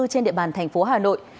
trên địa bàn thành phố hà nội